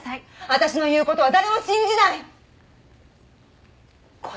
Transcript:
私の言う事は誰も信じない！